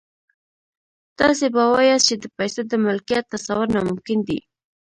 تاسې به واياست چې د پيسو د ملکيت تصور ناممکن دی.